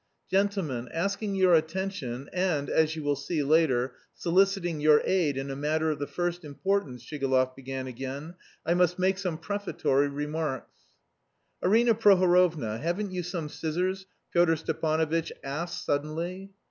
"Gentlemen, asking your attention and, as you will see later, soliciting your aid in a matter of the first importance," Shigalov began again, "I must make some prefatory remarks." "Arina Prohorovna, haven't you some scissors?" Pyotr Stepanovitch asked suddenly.